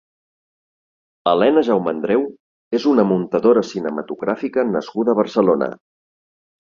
Elena Jaumandreu és una muntadora cinematogràfica nascuda a Barcelona.